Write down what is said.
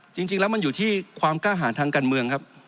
จริงแล้วมันอยู่ที่ความกล้าหารทางการเมืองครับ